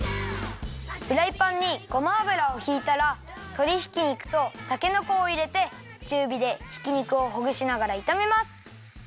フライパンにごま油をひいたらとりひき肉とたけのこをいれてちゅうびでひき肉をほぐしながらいためます。